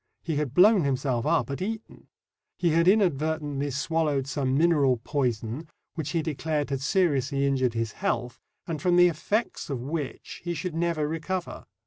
He had blown himself up at Eton. He had inadvertently swallowed some mineral poison, which he declared had seriously injured his health, and from the effects of which he should never recover.